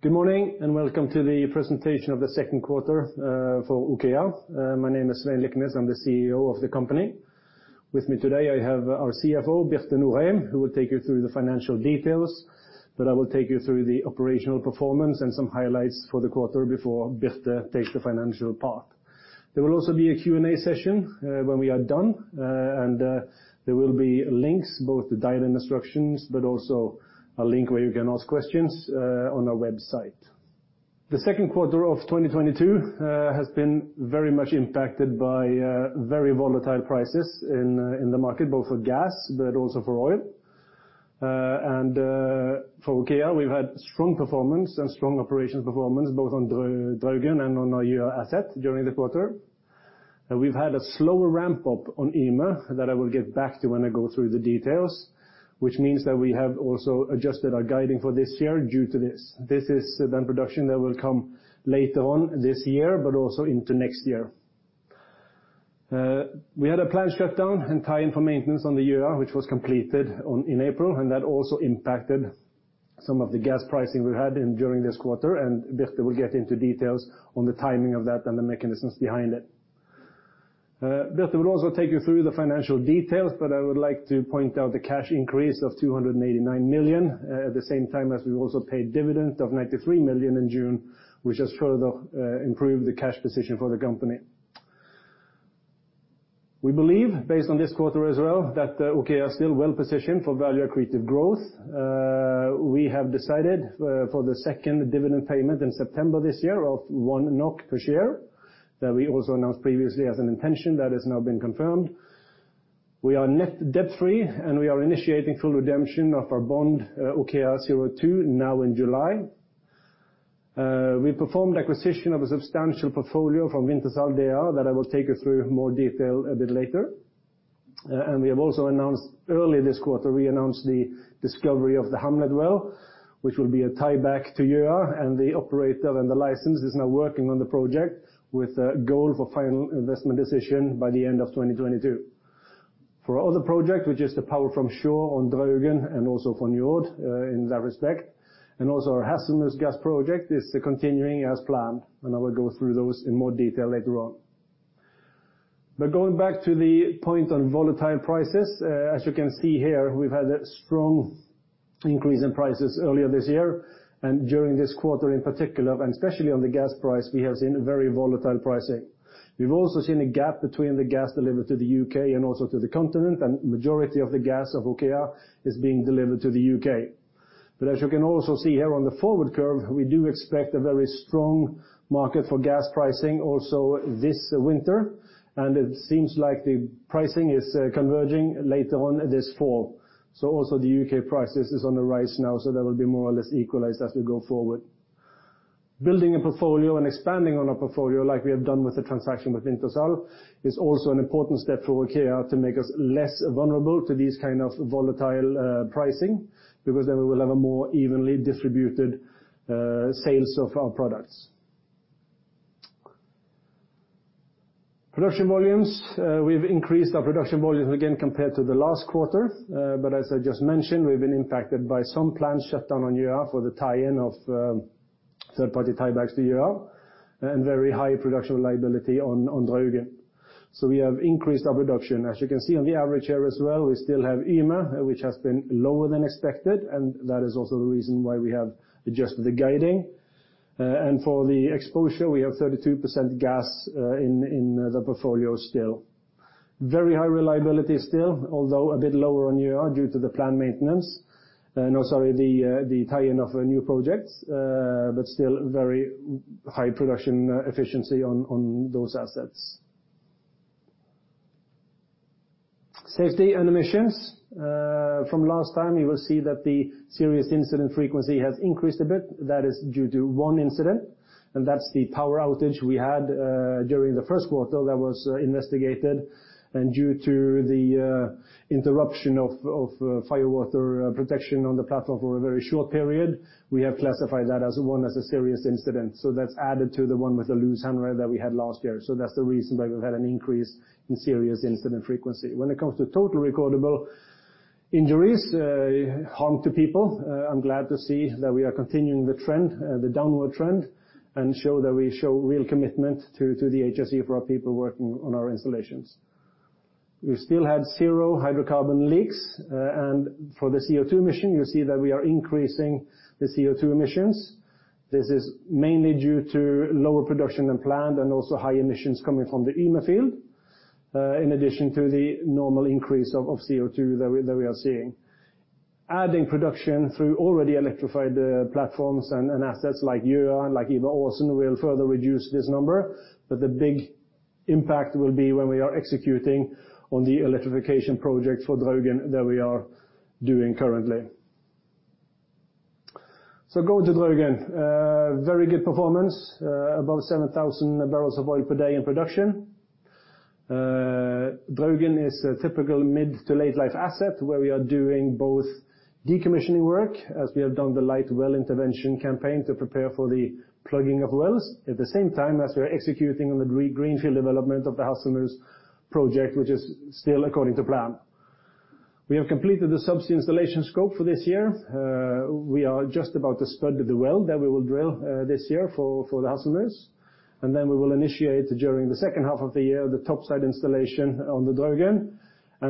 Good morning, and welcome to the presentation of the second quarter for OKEA. My name is Svein Liknes. I'm the CEO of the company. With me today 1I have our CFO, Birte Norheim, who will take you through the financial details. I will take you through the operational performance and some highlights for the quarter before Birte takes the financial part. There will also be a Q&A session when we are done. There will be links, both the dial-in instructions, but also a link where you can ask questions on our website. The second quarter of 2022 has been very much impacted by very volatile prices in the market, both for gas, but also for oil. For OKEA, we've had strong performance and strong operations performance, both on Draugen and on our Gjøa asset during the quarter. We've had a slower ramp-up on Yme that I will get back to when I go through the details, which means that we have also adjusted our guidance for this year due to this. This is the production that will come later on this year, but also into next year. We had a planned shutdown and tie-in for maintenance on the Gjøa, which was completed in April, and that also impacted some of the gas pricing we had during this quarter. Birte will get into details on the timing of that and the mechanisms behind it. Birte will also take you through the financial details, but I would like to point out the cash increase of 289 million at the same time as we also paid dividend of 93 million in June, which has further improved the cash position for the company. We believe, based on this quarter as well, that OKEA are still well positioned for value-accretive growth. We have decided for the second dividend payment in September this year of 1 NOK per share, that we also announced previously as an intention that has now been confirmed. We are net debt-free, and we are initiating full redemption of our bond, OKEA02 now in July. We performed acquisition of a substantial portfolio from Wintershall Dea that I will take you through more detail a bit later. We have announced early this quarter the discovery of the Hamlet well, which will be a tieback to Gjøa, and the operator and the license is now working on the project with a goal for final investment decision by the end of 2022. For other project, which is the Power from Shore on Draugen and also from Njord, in that respect, and also our Hasselmus gas project is continuing as planned, and I will go through those in more detail later on. Going back to the point on volatile prices, as you can see here, we've had a strong increase in prices earlier this year. During this quarter in particular, and especially on the gas price, we have seen a very volatile pricing. We've also seen a gap between the gas delivered to the U.K. and also to the continent, and majority of the gas of OKEA is being delivered to the U/K. As you can also see here on the forward curve, we do expect a very strong market for gas pricing also this winter. It seems like the pricing is converging later on this fall. Also the U.K. prices is on the rise now, so that will be more or less equalized as we go forward. Building a portfolio and expanding on our portfolio like we have done with the transaction with Wintershall is also an important step for OKEA to make us less vulnerable to these kind of volatile pricing, because then we will have a more evenly distributed sales of our products. Production volumes, we've increased our production volumes again compared to the last quarter. As I just mentioned, we've been impacted by some planned shutdown on Gjøa for the tie-in of third-party tiebacks to Gjøa, and very high production reliability on Draugen. We have increased our production. As you can see on the average here as well, we still have Yme, which has been lower than expected, and that is also the reason why we have adjusted the guidance. For the exposure, we have 32% gas in the portfolio still. Very high reliability still, although a bit lower on Gjøa due to the tie-in of a new project, but still very high production efficiency on those assets. Safety and emissions. From last time, you will see that the Serious Incident Frequency has increased a bit. That is due to one incident, and that's the power outage we had during the first quarter that was investigated. Due to the interruption of fire water protection on the platform for a very short period, we have classified that as a serious incident. That's added to the one with the loose handrail that we had last year. That's the reason why we've had an increase in Serious Incident Frequency. When it comes to Total Recordable Injuries, harm to people, I'm glad to see that we are continuing the trend, the downward trend, and show that we show real commitment to the HSE for our people working on our installations. We still had zero hydrocarbon leaks, and for the CO2 emission, you see that we are increasing the CO2 emissions. This is mainly due to lower production than planned and also high emissions coming from the Yme field, in addition to the normal increase of CO2 that we are seeing. Adding production through already electrified platforms and assets like Gjøa, like Yme also, will further reduce this number. The big impact will be when we are executing on the electrification project for Draugen that we are doing currently. Going to Draugen, very good performance, above 7,000 bbls of oil per day in production. Draugen is a typical mid- to late-life asset where we are doing both decommissioning work, as we have done the Light Well Intervention campaign to prepare for the plugging of wells, at the same time as we are executing on the greenfield development of the Hasselmus project, which is still according to plan. We have completed the subsea installation scope for this year. We are just about to spud the well that we will drill this year for the customers. Then we will initiate during the second half of the year, the top side installation on the Draugen.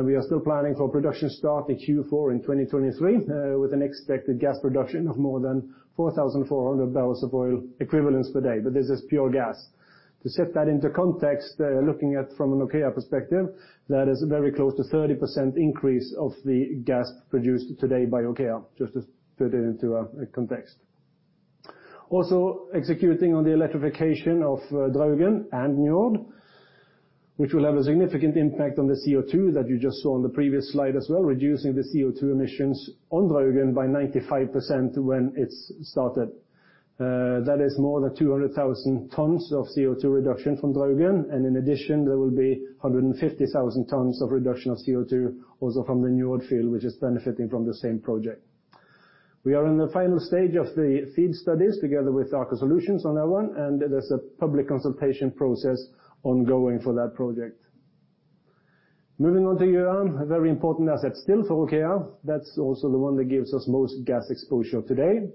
We are still planning for production start in Q4 in 2023, with an expected gas production of more than 4,400 bbls of oil equivalent per day. But this is pure gas. To set that into context, looking at from an OKEA perspective, that is very close to 30% increase of the gas produced today by OKEA, just to put it into a context. Also executing on the electrification of Draugen and Njord, which will have a significant impact on the CO2 that you just saw on the previous slide as well, reducing the CO2 emissions on Draugen by 95% when it's started. That is more than 200,000 tons of CO2 reduction from Draugen. And in addition, there will be 150,000 tons of reduction of CO2 also from the Njord field, which is benefiting from the same project. We are in the final stage of the FEED studies together with Aker Solutions on that one, and there's a public consultation process ongoing for that project. Moving on to Ula, a very important asset still for OKEA. That's also the one that gives us most gas exposure today.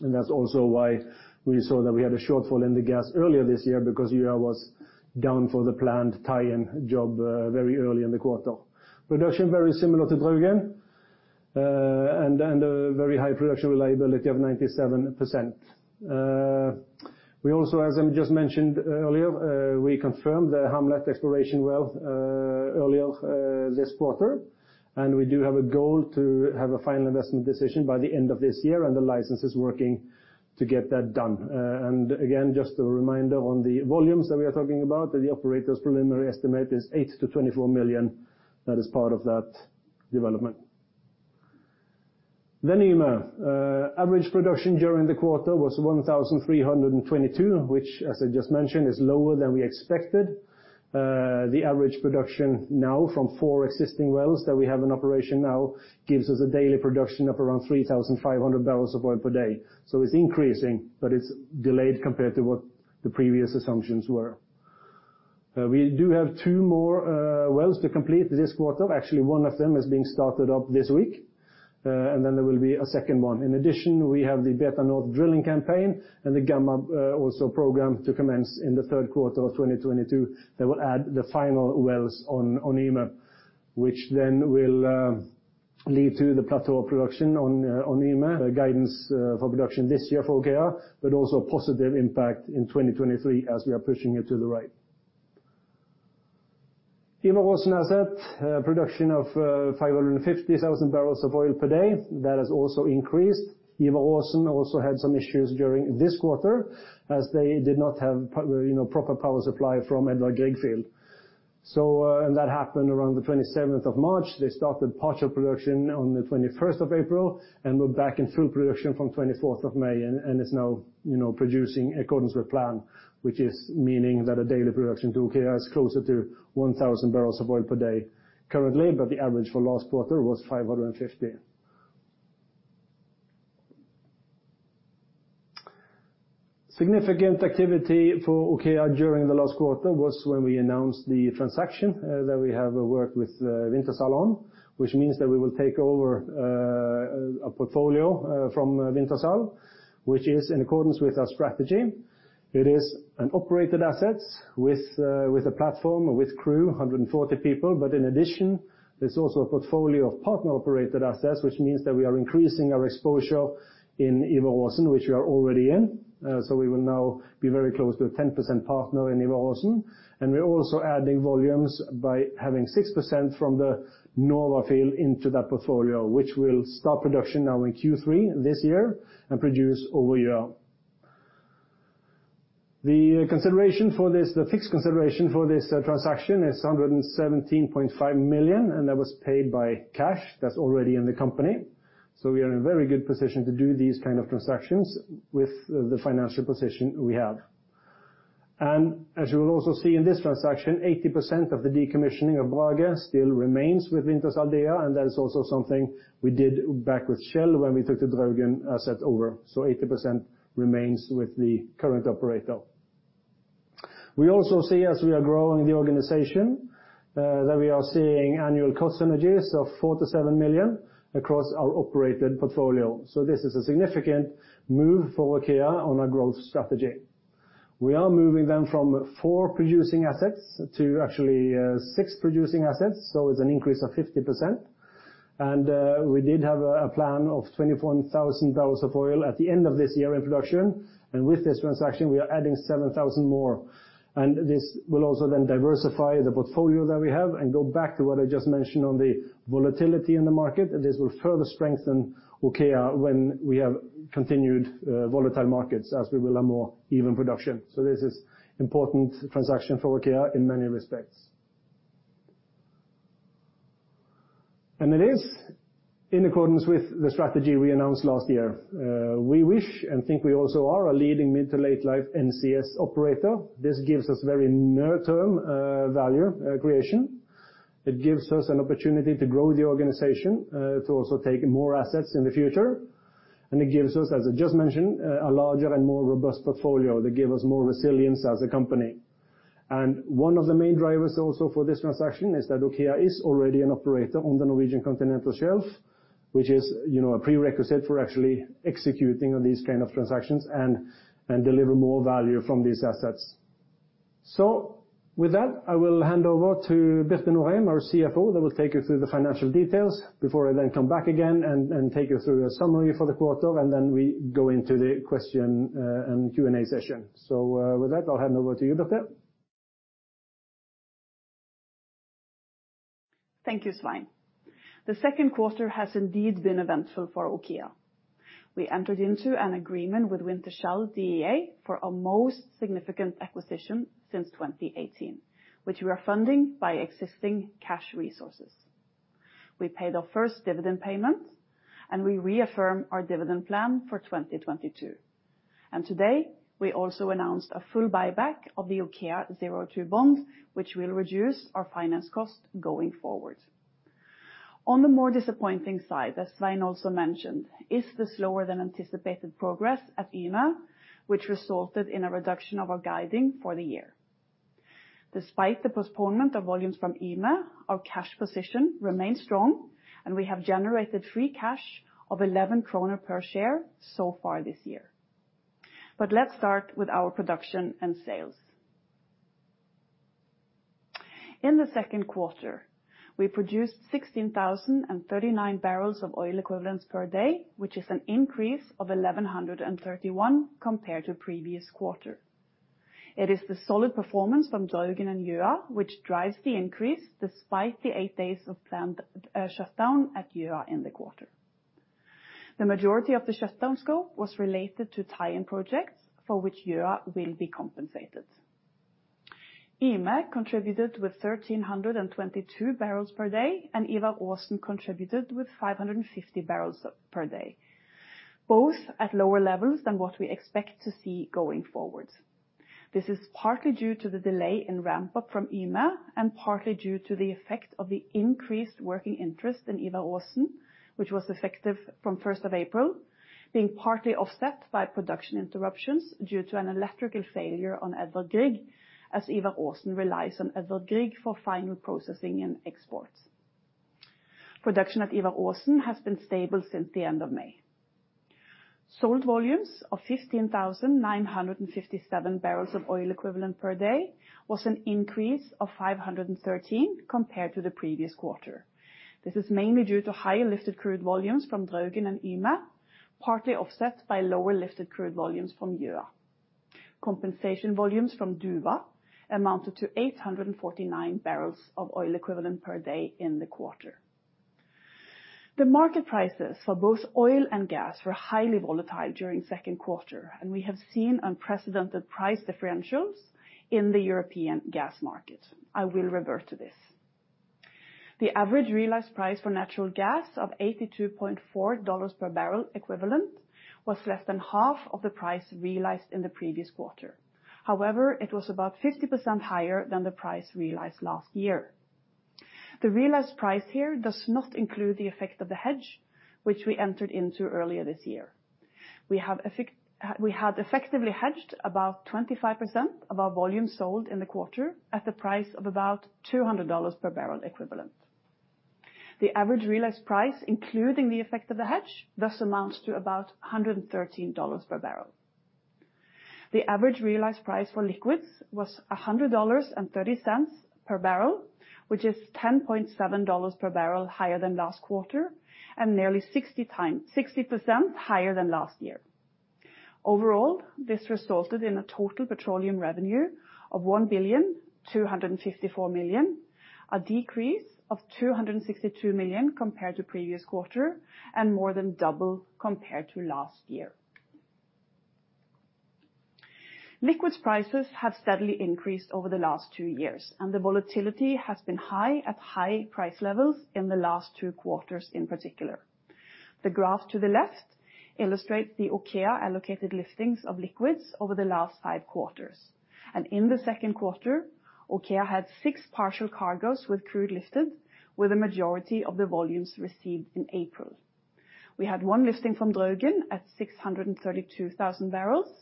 That's also why we saw that we had a shortfall in the gas earlier this year because Ula was down for the planned tie-in job, very early in the quarter. Production very similar to Draugen, and a very high production reliability of 97%. We also, as I just mentioned earlier, we confirmed the Hamlet exploration well, earlier, this quarter. We do have a goal to have a final investment decision by the end of this year, and the license is working to get that done. Again, just a reminder on the volumes that we are talking about, the operator's preliminary estimate is 8 million-24 million. That is part of that development. Then, Yme, average production during the quarter was 1,322 bbls, which as I just mentioned, is lower than we expected. The average production now from four existing wells that we have in operation now gives us a daily production of around 3,500 bbls of oil per day. It's increasing, but it's delayed compared to what the previous assumptions were. We do have two more wells to complete this quarter. Actually, one of them is being started up this week, and then there will be a second one. In addition, we have the Beta North drilling campaign and the Gamma also programmed to commence in the third quarter of 2022. That will add the final wells on Yme, which then will lead to the plateau production on Yme, the guidance for production this year for OKEA, but also a positive impact in 2023 as we are pushing it to the right. Ivar Aasen asset production of 550,000 bbls of oil per day. That has also increased. Ivar Aasen also had some issues during this quarter as they did not have you know, proper power supply from Edvard Grieg field. That happened around the 27th of March. They started partial production on the 21st of April, and we're back in full production from the 24th of May and it's now, you know, producing in accordance with plan, which means that a daily production to OKEA is closer to 1,000 bbls of oil per day currently, but the average for last quarter was 550 bbls. Significant activity for OKEA during the last quarter was when we announced the transaction that we have worked with Wintershall on, which means that we will take over a portfolio from Wintershall, which is in accordance with our strategy. It is an operated asset with a platform, with crew, 140 people. But in addition, there's also a portfolio of partner-operated assets, which means that we are increasing our exposure in Ivar Aasen, which we are already in. We will now be very close to a 10% partner in Ivar Aasen. We're also adding volumes by having 6% from the Nova field into that portfolio, which will start production now in Q3 this year and produce over year. The consideration for this, the fixed consideration for this, transaction is 117.5 million, and that was paid by cash that's already in the company. We are in a very good position to do these kind of transactions with the financial position we have. As you will also see in this transaction, 80% of the decommissioning of Brage still remains with Wintershall Dea there, and that is also something we did back with Shell when we took the Draugen asset over. 80% remains with the current operator. We also see as we are growing the organization, that we are seeing annual cost synergies of 4 million-7 million across our operated portfolio. This is a significant move for OKEA on our growth strategy. We are moving then from four producing assets to actually six producing assets, so it's an increase of 50%. We did have a plan of 21,000 bbls of oil at the end of this year in production. With this transaction, we are adding 7,000 bbls more. This will also then diversify the portfolio that we have and go back to what I just mentioned on the volatility in the market. This will further strengthen OKEA when we have continued volatile markets as we will have more even production. This is important transaction for OKEA in many respects. It is in accordance with the strategy we announced last year. We wish and think we also are a leading mid-to-late life NCS operator. This gives us very near-term value creation. It gives us an opportunity to grow the organization to also take more assets in the future. It gives us, as I just mentioned, a larger and more robust portfolio that give us more resilience as a company. One of the main drivers also for this transaction is that OKEA is already an operator on the Norwegian continental shelf, which is, you know, a prerequisite for actually executing on these kind of transactions and deliver more value from these assets. With that, I will hand over to Birte Norheim, our CFO, that will take you through the financial details before I then come back again and take you through a summary for the quarter, and then we go into the question and Q&A session. With that, I'll hand over to you, Birte. Thank you, Svein. The second quarter has indeed been eventful for OKEA. We entered into an agreement with Wintershall Dea for a most significant acquisition since 2018, which we are funding by existing cash resources. We paid our first dividend payment, and we reaffirm our dividend plan for 2022. Today, we also announced a full buyback of the OKEA02 Bond, which will reduce our finance cost going forward. On the more disappointing side, as Svein also mentioned, is the slower than anticipated progress at Yme, which resulted in a reduction of our guidance for the year. Despite the postponement of volumes from Yme, our cash position remains strong, and we have generated free cash of 11 kroner per share so far this year. Let's start with our production and sales. In the second quarter, we produced 16,039 bbls of oil equivalent per day, which is an increase of 1,131 bbls compared to previous quarter. It is the solid performance from Draugen and Gjøa which drives the increase despite the eight days of planned shutdown at Gjøa in the quarter. The majority of the shutdown scope was related to tie-in projects for which Gjøa will be compensated. Yme contributed with 1,322 bbls per day, and Ivar Aasen contributed with 550 bbls per day, both at lower levels than what we expect to see going forward. This is partly due to the delay in ramp-up from Yme and partly due to the effect of the increased working interest in Ivar Aasen, which was effective from first of April, being partly offset by production interruptions due to an electrical failure on Edvard Grieg, as Ivar Aasen relies on Edvard Grieg for final processing and exports. Production at Ivar Aasen has been stable since the end of May. Sold volumes of 15,957 bbls of oil equivalent per day was an increase of 513 bbls compared to the previous quarter. This is mainly due to higher lifted crude volumes from Draugen and Yme, partly offset by lower lifted crude volumes from Gjøa. Compensation volumes from Duva amounted to 849 bbls of oil equivalent per day in the quarter. The market prices for both oil and gas were highly volatile during second quarter, and we have seen unprecedented price differentials in the European gas market. I will revert to this. The average realized price for natural gas of $82.4 per barrel equivalent was less than half of the price realized in the previous quarter. However, it was about 50% higher than the price realized last year. The realized price here does not include the effect of the hedge, which we entered into earlier this year. We had effectively hedged about 25% of our volume sold in the quarter at the price of about $200 per barrel equivalent. The average realized price, including the effect of the hedge, thus amounts to about $113 per barrel. The average realized price for liquids was $100.30 per barrel, which is $10.7 per barrel higher than last quarter and nearly 60% higher than last year. Overall, this resulted in a total petroleum revenue of 1,254 million, a decrease of 262 million compared to previous quarter and more than double compared to last year. Liquids prices have steadily increased over the last two years, and the volatility has been high at high price levels in the last two quarters in particular. The graph to the left illustrates the OKEA-allocated liftings of liquids over the last five quarters. In the second quarter, OKEA had six partial cargoes with crude lifted, with the majority of the volumes received in April. We had one lifting from Draugen at 632,000 bbls,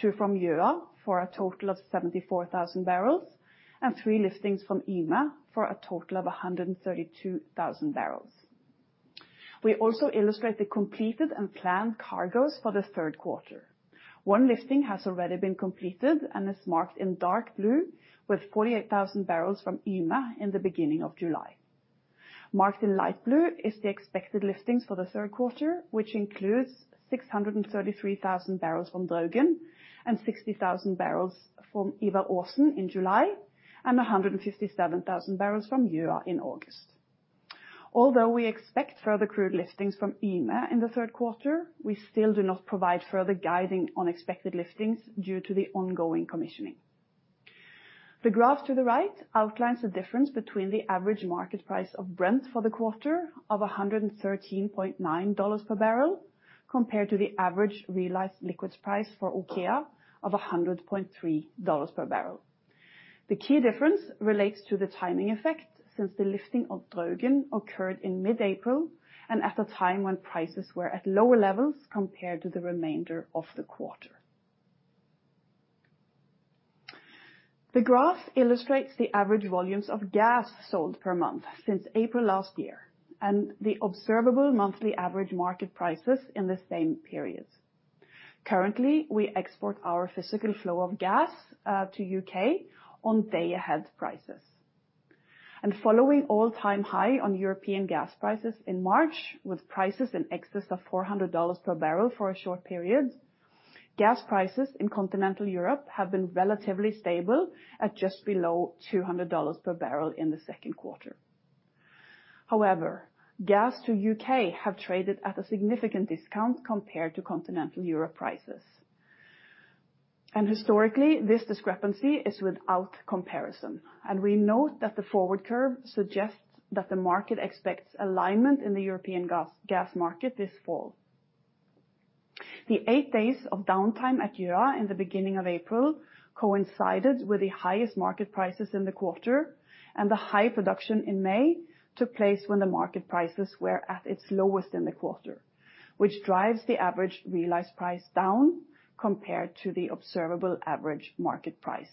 two from Gjøa for a total of 74,000 bbls, and three liftings from Yme for a total of 132,000 bbls. We also illustrate the completed and planned cargoes for the third quarter. One lifting has already been completed and is marked in dark blue with 48,000 bbls from Yme in the beginning of July. Marked in light blue is the expected liftings for the third quarter, which includes 633,000 bbls from Draugen and 60,000 barrels from Ivar Aasen in July and 157,000 bbls from Gjøa in August. Although we expect further crude liftings from Yme in the third quarter, we still do not provide further guidance on expected liftings due to the ongoing commissioning. The graph to the right outlines the difference between the average market price of Brent for the quarter of $113.9 per barrel compared to the average realized liquids price for OKEA of $100.3 per barrel. The key difference relates to the timing effect since the lifting of Draugen occurred in mid-April and at a time when prices were at lower levels compared to the remainder of the quarter. The graph illustrates the average volumes of gas sold per month since April last year, and the observable monthly average market prices in the same periods. Currently, we export our physical flow of gas to U.K. on day-ahead prices. Following all-time high on European gas prices in March with prices in excess of $400 per barrel for a short period, gas prices in continental Europe have been relatively stable at just below $200 per barrel in the second quarter. However, gas to U.K. have traded at a significant discount compared to continental Europe prices. Historically, this discrepancy is without comparison, and we note that the forward curve suggests that the market expects alignment in the European gas market this fall. The eight days of downtime at Ula in the beginning of April coincided with the highest market prices in the quarter, and the high production in May took place when the market prices were at its lowest in the quarter, which drives the average realized price down compared to the observable average market price.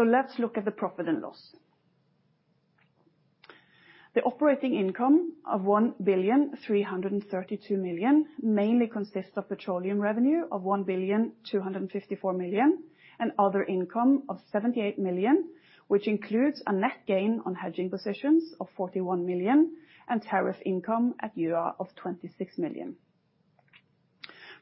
Let's look at the profit and loss. The operating income of 1,332 million mainly consists of petroleum revenue of 1,254,000,000 and other income of 78 million, which includes a net gain on hedging positions of 41 million and tariff income at Ula of 26 million.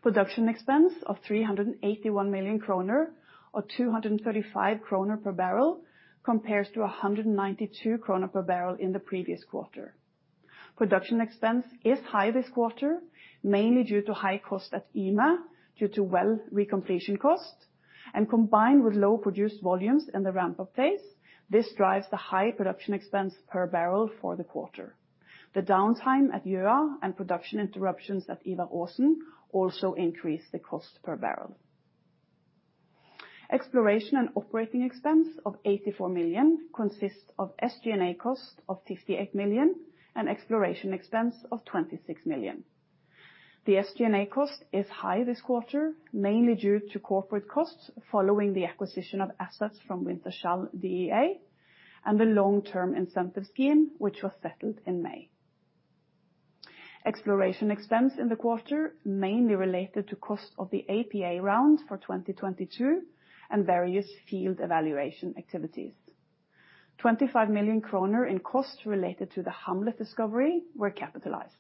Production expense of 381 million kroner or 235 kroner per barrel, compares to 192 kroner per barrel in the previous quarter. Production expense is high this quarter, mainly due to high cost at Yme due to well re-completion cost, and combined with low produced volumes in the ramp-up phase, this drives the high production expense per barrel for the quarter. The downtime at Ula and production interruptions at Ivar Aasen also increase the cost per barrel. Exploration and operating expense of 84 million consists of SG&A cost of 58 million and exploration expense of 26 million. The SG&A cost is high this quarter, mainly due to corporate costs following the acquisition of assets from Wintershall Dea and the long-term incentive scheme, which was settled in May. Exploration expense in the quarter mainly related to cost of the APA rounds for 2022 and various field evaluation activities. 25 million kroner in costs related to the Hamlet discovery were capitalized.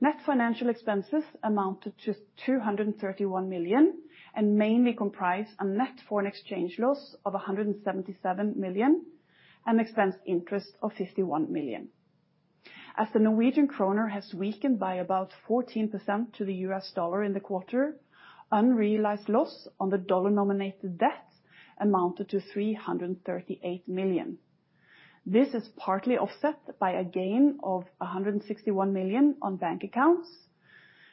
Net financial expenses amounted to 231 million and mainly comprise a net foreign exchange loss of 177 million and interest expense of 51 million. As the Norwegian kroner has weakened by about 14% to the U.S. dollar in the quarter, unrealized loss on the dollar-denominated debt amounted to 338 million. This is partly offset by a gain of $161 million on bank accounts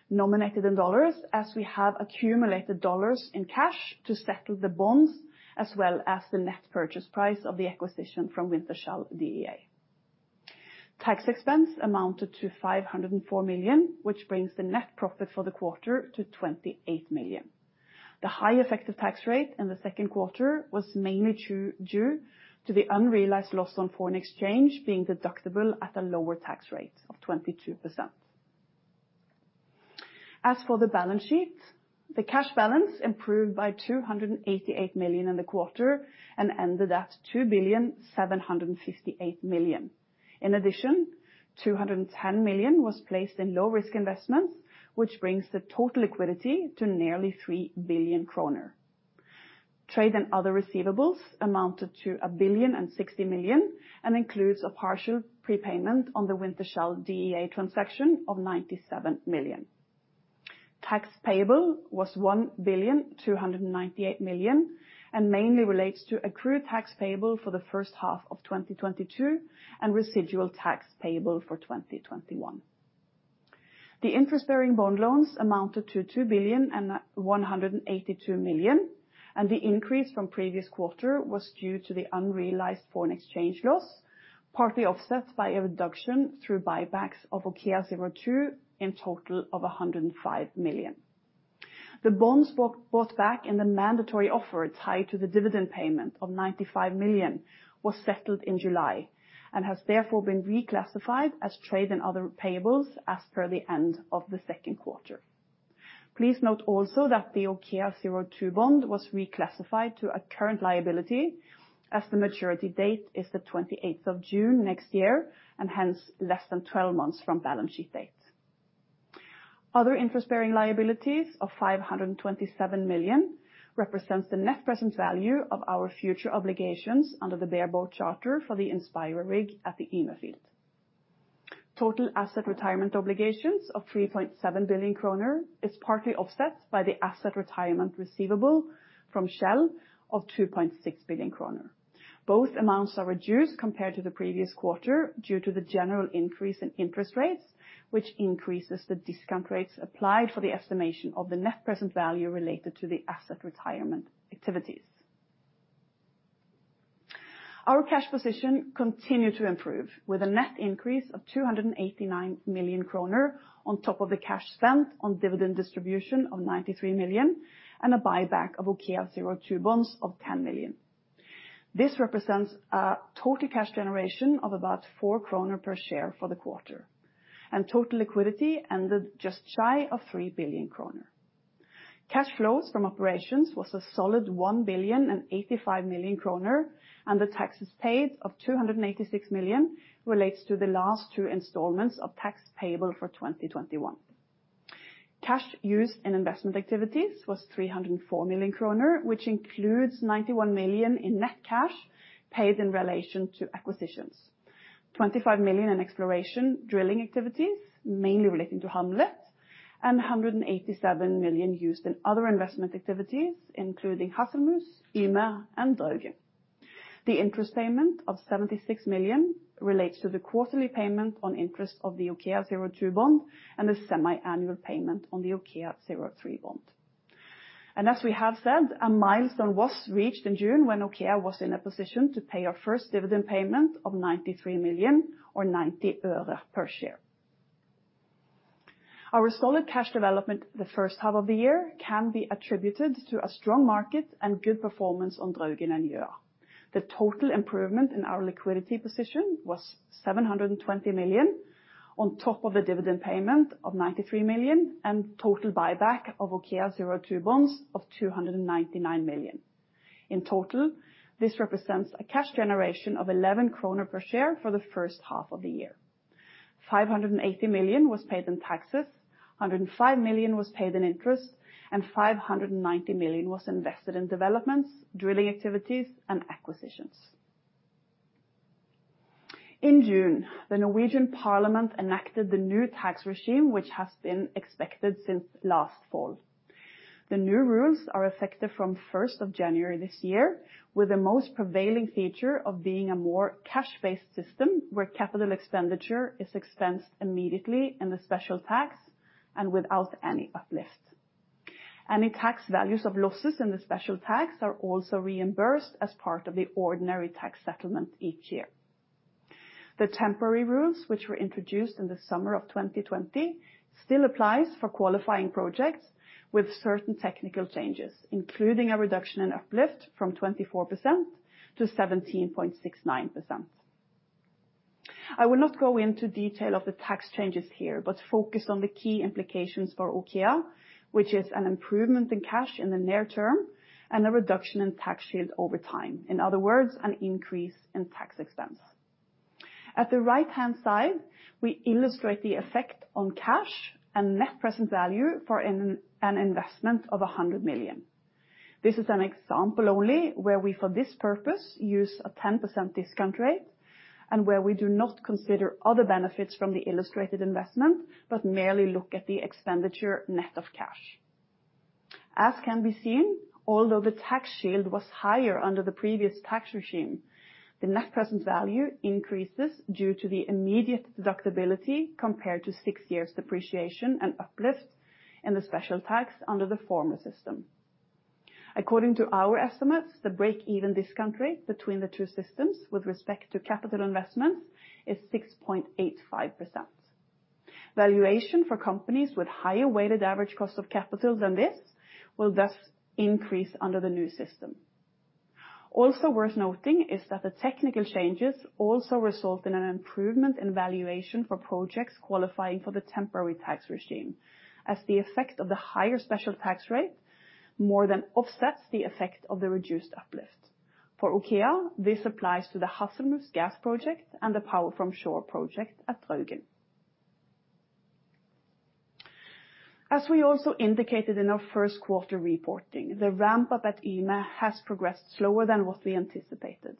nominated in dollars, as we have accumulated dollars in cash to settle the bonds as well as the net purchase price of the acquisition from Wintershall Dea. Tax expense amounted to 504 million, which brings the net profit for the quarter to 28 million. The high effective tax rate in the second quarter was mainly due to the unrealized loss on foreign exchange being deductible at a lower tax rate of 22%. As for the balance sheet, the cash balance improved by 288 million in the quarter and ended at 2.758 billion. In addition, 210 million was placed in low-risk investments, which brings the total liquidity to nearly 3 billion kroner. Trade and other receivables amounted to 1,060,000,000 and includes a partial prepayment on the Wintershall Dea transaction of 97 million. Tax payable was 1,298,000,000 and mainly relates to accrued tax payable for the first half of 2022 and residual tax payable for 2021. The interest-bearing bond loans amounted to 2,182,000,000 and the increase from previous quarter was due to the unrealized foreign exchange loss, partly offset by a reduction through buybacks of OKEA02 in total of 105 million. The bonds bought back in the mandatory offer tied to the dividend payment of 95 million was settled in July, and has therefore been reclassified as trade and other payables as per the end of the second quarter. Please note also that the OKEA02 Bond was reclassified to a current liability as the maturity date is the 28th of June next year, and hence less than 12 months from balance sheet date. Other interest-bearing liabilities of 527 million represents the net present value of our future obligations under the bareboat charter for the Inspirer rig at the Yme field. Total asset retirement obligations of 3.7 billion kroner is partly offset by the asset retirement receivable from Shell of 2.6 billion kroner. Both amounts are reduced compared to the previous quarter due to the general increase in interest rates, which increases the discount rates applied for the estimation of the net present value related to the asset retirement activities. Our cash position continued to improve with a net increase of 289 million kroner on top of the cash spent on dividend distribution of 93 million, and a buyback of OKEA 02 Bonds of 10 million. This represents a total cash generation of about 4 kroner per share for the quarter, and total liquidity ended just shy of 3 billion kroner. Cash flows from operations was a solid 1,085,000,000 kroner, and the taxes paid of 286 million relates to the last two installments of tax payable for 2021. Cash used in investment activities was 304 million kroner, which includes 91 million in net cash paid in relation to acquisitions. 25 million in exploration, drilling activities, mainly relating to Hamlet, and 187 million used in other investment activities, including Hasselmus, Yme, and Draugen. The interest payment of 76 million relates to the quarterly payment on interest of the OKEA02 Bond and the semi-annual payment on the OKEA03 Bond. As we have said, a milestone was reached in June when OKEA was in a position to pay our first dividend payment of 93 million or 90 øre per share. Our solid cash development the first half of the year can be attributed to a strong market and good performance on Draugen and Yme. The total improvement in our liquidity position was 720 million on top of the dividend payment of 93 million, and total buyback of OKEA02 Bonds of 299 million. In total, this represents a cash generation of 11 kroner per share for the first half of the year. 580 million was paid in taxes, 105 million was paid in interest, and 590 million was invested in developments, drilling activities, and acquisitions. In June, the Norwegian Parliament enacted the new tax regime, which has been expected since last fall. The new rules are effective from the first of January this year, with the most prevalent feature of being a more cash-based system where capital expenditure is expensed immediately in the special tax and without any uplift. Any tax values of losses in the special tax are also reimbursed as part of the ordinary tax settlement each year. The temporary rules, which were introduced in the summer of 2020, still applies for qualifying projects with certain technical changes, including a reduction in uplift from 24% to 17.69%. I will not go into detail of the tax changes here, but focus on the key implications for OKEA, which is an improvement in cash in the near term and a reduction in tax shield over time. In other words, an increase in tax expense. At the right-hand side, we illustrate the effect on cash and net present value for an investment of 100 million. This is an example only where we, for this purpose, use a 10% discount rate, and where we do not consider other benefits from the illustrated investment, but merely look at the expenditure net of cash. As can be seen, although the tax shield was higher under the previous tax regime, the net present value increases due to the immediate deductibility compared to six years depreciation and uplift in the special tax under the former system. According to our estimates, the break-even discount rate between the two systems with respect to capital investments is 6.85%. Valuation for companies with higher weighted average cost of capital than this will thus increase under the new system. Also worth noting is that the technical changes also result in an improvement in valuation for projects qualifying for the temporary tax regime, as the effect of the higher special tax rate more than offsets the effect of the reduced uplift. For OKEA, this applies to the Hasselmus gas project and the Power from Shore project at Draugen. As we also indicated in our first quarter reporting, the ramp up at Yme has progressed slower than what we anticipated.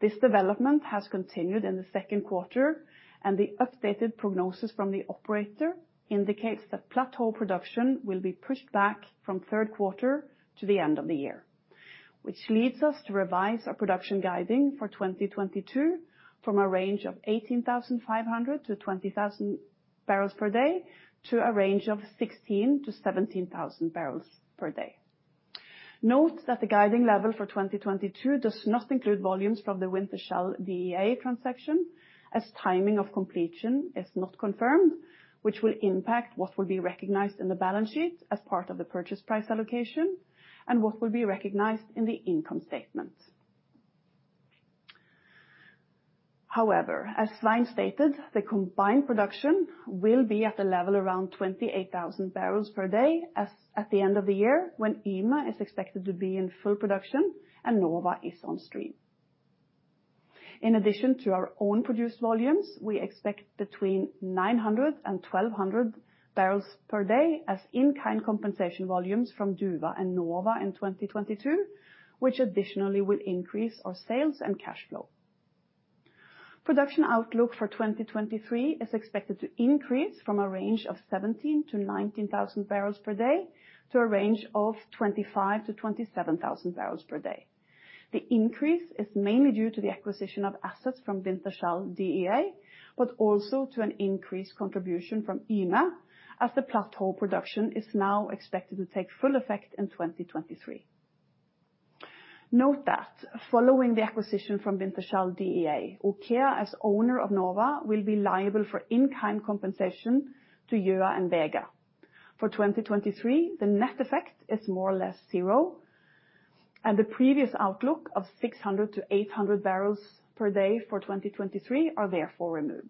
This development has continued in the second quarter, and the updated prognosis from the operator indicates that plateau production will be pushed back from third quarter to the end of the year, which leads us to revise our production guiding for 2022 from a range of 18,500 bbls-20,000 bbls per day to a range of 16,000 bbls-17,000 bbls per day. Note that the guiding level for 2022 does not include volumes from the Wintershall Dea transaction, as timing of completion is not confirmed, which will impact what will be recognized in the balance sheet as part of the purchase price allocation and what will be recognized in the income statement. However, as Svein stated, the combined production will be at a level around 28,000 bbls per day as at the end of the year when Yme is expected to be in full production and Nova is on stream. In addition to our own produced volumes, we expect between 900 bbls and 1,200 bbls per day as in-kind compensation volumes from Duva and Nova in 2022, which additionally will increase our sales and cash flow. Production outlook for 2023 is expected to increase from a range of 17,000 bbls-19,000 bbls per day to a range of 25,000 bbls-27,000 bbls per day. The increase is mainly due to the acquisition of assets from Wintershall Dea, but also to an increased contribution from Yme, as the plateau production is now expected to take full effect in 2023. Note that following the acquisition from Wintershall Dea, OKEA as owner of Nova will be liable for in-kind compensation to Gjøa and Vega. For 2023, the net effect is more or less zero, and the previous outlook of 600 bbls-800 bbls per day for 2023 are therefore removed.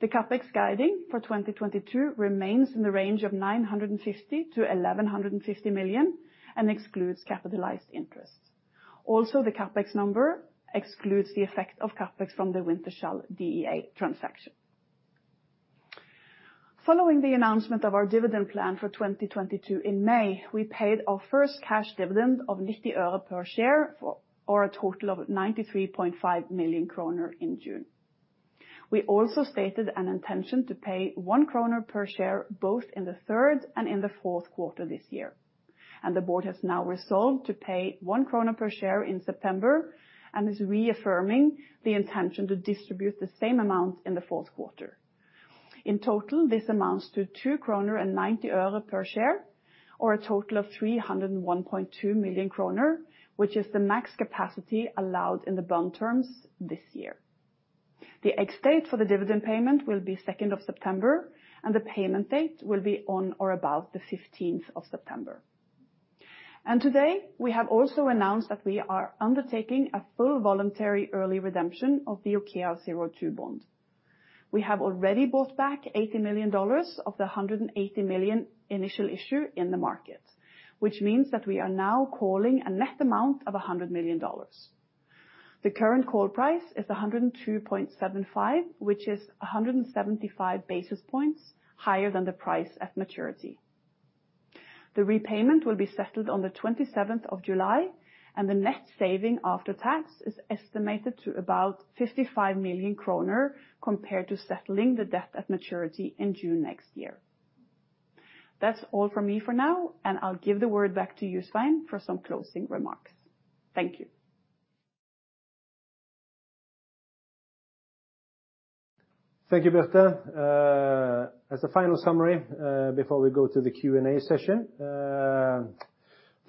The CapEx guiding for 2022 remains in the range of 950 million-1,150 million, and excludes capitalized interest. Also, the CapEx number excludes the effect of CapEx from the Wintershall Dea transaction. Following the announcement of our dividend plan for 2022 in May, we paid our first cash dividend of 90 øre per share for a total of 93.5 million kroner in June. We also stated an intention to pay 1 kroner per share, both in the third and in the fourth quarter this year. The board has now resolved to pay 1 krone per share in September, and is reaffirming the intention to distribute the same amount in the fourth quarter. In total, this amounts to 2 kroner and NOK 90 per share, or a total of 301.2 million kroner, which is the max capacity allowed in the bond terms this year. The ex-date for the dividend payment will be second of September, and the payment date will be on or about the 15th of September. Today, we have also announced that we are undertaking a full voluntary early redemption of the OKEA02 Bond. We have already bought back $80 million of the $180 million initial issue in the market. Which means that we are now calling a net amount of $100 million. The current call price is 102.75, which is 175 basis points higher than the price at maturity. The repayment will be settled on the 27th of July, and the net saving after tax is estimated to about 55 million kroner compared to settling the debt at maturity in June next year. That's all from me for now, and I'll give the word back to Svein for some closing remarks. Thank you. Thank you, Birte. As a final summary, before we go to the Q&A session.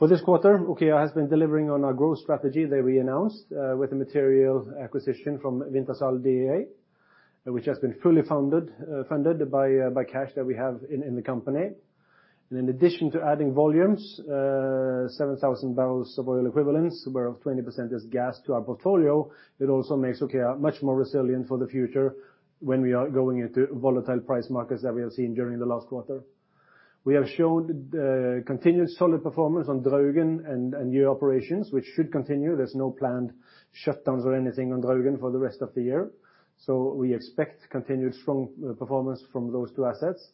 For this quarter, OKEA has been delivering on our growth strategy that we announced with the material acquisition from Wintershall Dea, which has been fully funded by cash that we have in the company. In addition to adding volumes, 7,000 bbls of oil equivalent, whereof 20% is gas to our portfolio, it also makes OKEA much more resilient for the future when we are going into volatile price markets that we have seen during the last quarter. We have showed continuous solid performance on Draugen and new operations, which should continue. There's no planned shutdowns or anything on Draugen for the rest of the year. We expect continued strong performance from those two assets.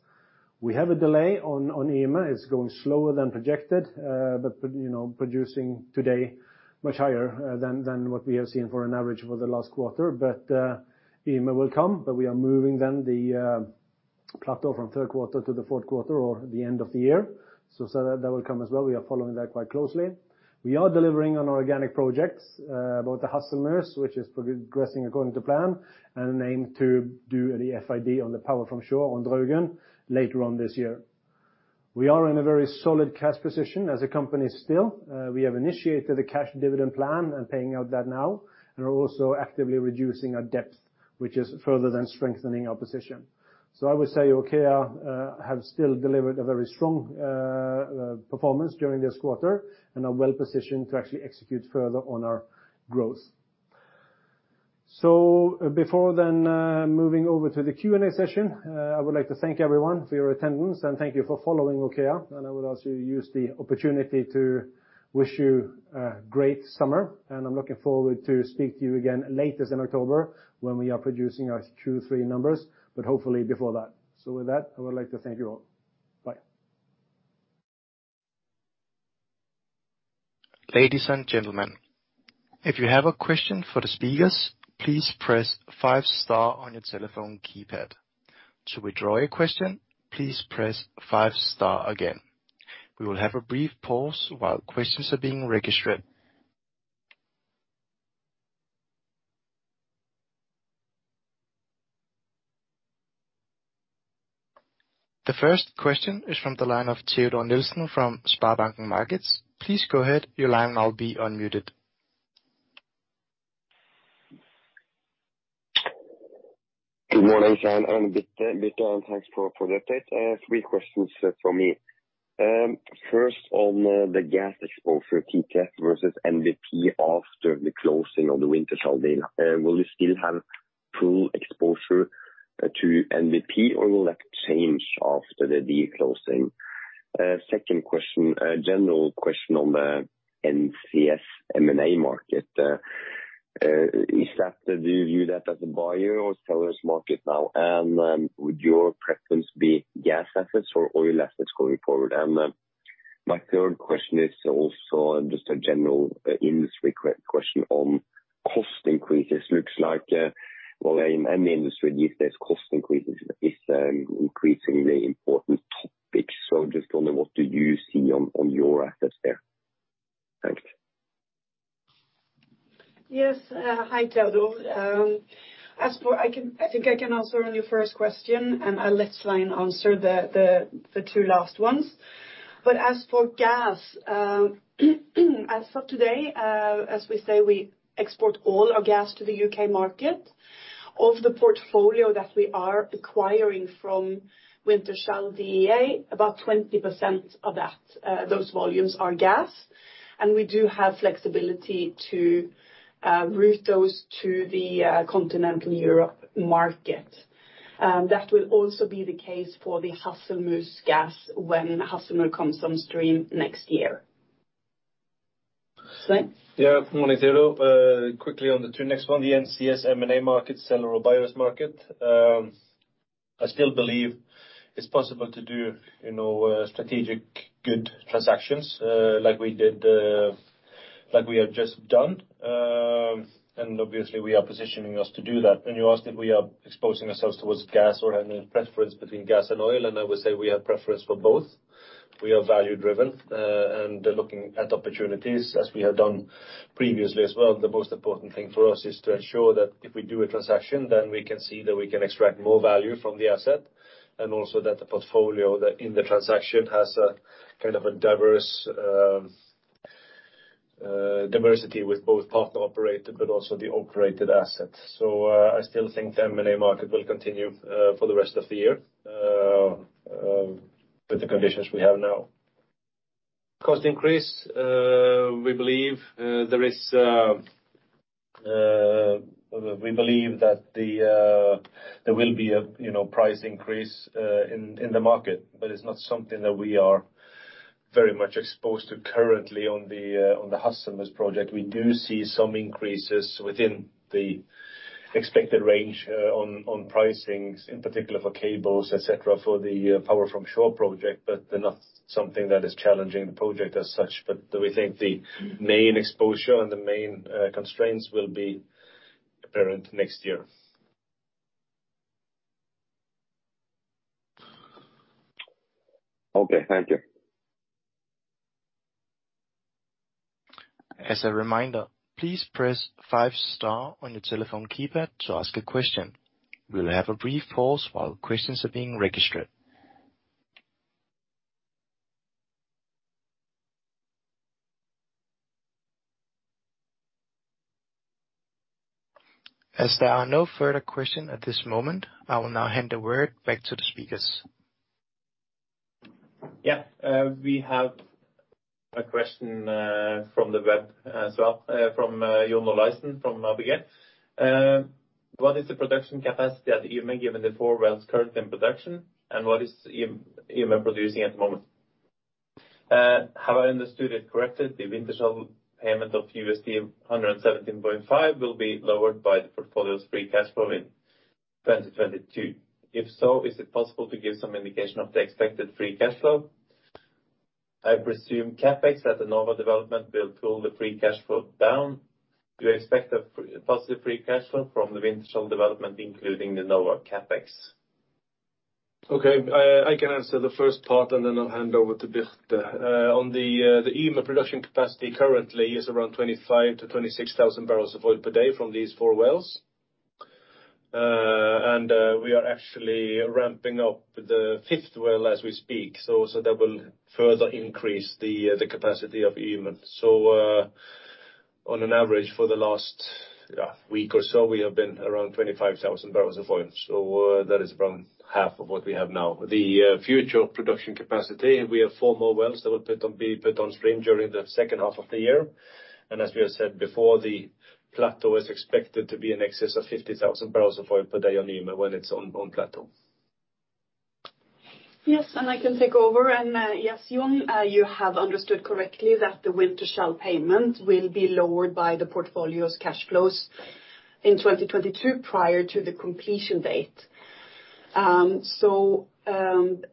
We have a delay on Yme. It's going slower than projected, but, you know, producing today much higher than what we have seen for an average over the last quarter. Yme will come, but we are moving then the plateau from third quarter to the fourth quarter or the end of the year. That will come as well. We are following that quite closely. We are delivering on organic projects, both the Hasselmus, which is progressing according to plan, and aim to do the FID on the Power from Shore on Draugen later on this year. We are in a very solid cash position as a company still. We have initiated a cash dividend plan and paying out that now. We're also actively reducing our debt, which is further strengthening our position. I would say OKEA have still delivered a very strong performance during this quarter, and are well-positioned to actually execute further on our growth. Before then, moving over to the Q&A session, I would like to thank everyone for your attendance and thank you for following OKEA. I would also use the opportunity to wish you a great summer. I'm looking forward to speak to you again latest in October when we are producing our Q3 numbers, but hopefully before that. With that, I would like to thank you all. Bye. Ladies and gentlemen, if you have a question for the speakers, please press five star on your telephone keypad. To withdraw your question, please press five star again. We will have a brief pause while questions are being registered. The first question is from the line of Teodor Nilsen from SpareBank 1 Markets. Please go ahead, your line now will be unmuted. Good morning, Svein and Birte, and thanks for the update. Three questions from me. First on the gas exposure TTF versus NBP after the closing of the Wintershall Dea deal. Will you still have full exposure to NBP or will that change after the deal closing? Second question, a general question on the NCS M&A market. Do you view that as a buyer or seller's market now? Would your preference be gas assets or oil assets going forward? My third question is also just a general industry question on cost increases. Looks like, well, in any industry these days, cost increases is increasingly important topic. So just wondering what do you see on your assets there? Thanks. Yes. Hi, Teodor. As for, I can, I think I can answer your first question, and let Svein answer the two last ones. As for gas, as of today, as we say, we export all our gas to the U.K. market. Of the portfolio that we are acquiring from Wintershall Dea, about 20% of that, those volumes are gas. We do have flexibility to route those to the continental Europe market. That will also be the case for the Hasselmus's gas when Hasselmus comes on stream next year. Svein? Yeah. Morning, Teodor. Quickly on the two next one, the NCS M&A market, seller or buyer's market. I still believe it's possible to do, you know, strategic good transactions, like we did, like we have just done. Obviously, we are positioning us to do that. You asked if we are exposing ourselves toward gas or any preference between gas and oil, and I would say we have preference for both. We are value driven, and looking at opportunities as we have done previously as well. The most important thing for us is to ensure that if we do a transaction, then we can see that we can extract more value from the asset, and also that the portfolio in the transaction has a kind of diversity with both partner operator, but also the operated asset. I still think the M&A market will continue for the rest of the year with the conditions we have now. Cost increase, we believe there will be a, you know, price increase in the market. It's not something that we are very much exposed to currently on the Hasselmus project. We do see some increases within the expected range on pricing, in particular for cables, et cetera, for the Power from Shore project. They're not something that is challenging the project as such. We think the main exposure and the main constraints will be apparent next year. Okay. Thank you. As a reminder, please press five star on your telephone keypad to ask a question. We'll have a brief pause while questions are being registered. As there are no further questions at this moment, I will now hand the word back to the speakers. Yeah. We have a question from the web as well from John Olaisen from ABG. What is the production capacity at Yme given the production and what is Yme producing at volume? How I understood correctly will be lowered by portfolios free cashflow in terms of credit too. If so, it's possible to give some indication of the expected free cash flow? I presume CapEx that the Nova development will soon be the free cashflow down including the Nova CapEx. Okay. I can answer the first part and then I will handle with a different. On the Yme production capacity, currently, it's around 25,000 bbls-26,000 bbls of oil per day from these four wells. And we are actually ramping up the fifth well as we speak. So that will further increase the capacity of Yme. So on an average, for the last we have been around 25,000 bbls of oil and that is from half of what we have now. The few production capacity is we have four more well that will create during the second half of the year and as we have said before the was expected to be in excess of 50,000 bbls of oil per day on Yme while it's. Yes, I can take it over and if you have understood it correctly. Will be lower than the portfolio's cashflows in 2022 prior to the competing date. And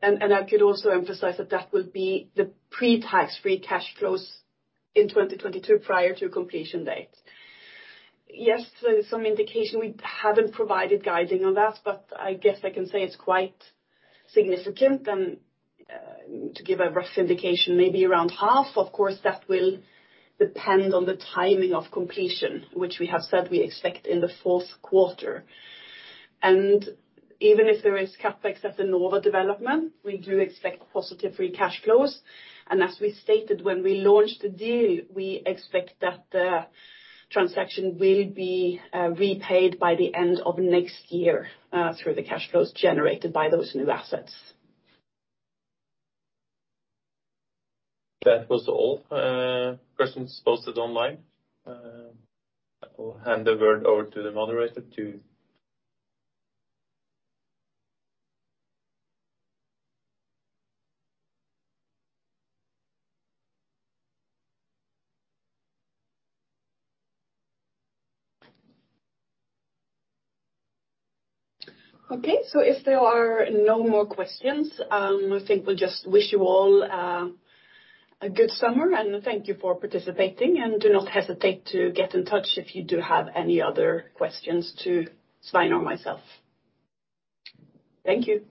I could also emphasize that will be free cash flows prior to completion date. We have some indication providing guidance on that but I guess I can say it's quite significant than giving a rough indication of maybe around half. Of course, that's when. Okay. If there are no more questions, I think we'll just wish you all a good summer, and thank you for participating. Do not hesitate to get in touch if you do have any other questions to Svein or myself. Thank you.